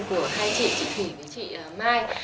của hai chị chị thủy với chị mai